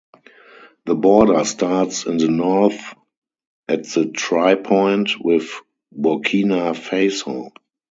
The border starts in the north at the tripoint with Burkina Faso.